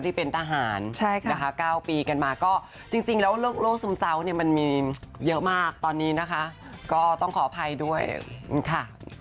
ที่เป็นทหารนะคะ๙ปีกันมาก็จริงแล้วโรคซึมเศร้าเนี่ยมันมีเยอะมากตอนนี้นะคะก็ต้องขออภัยด้วยค่ะ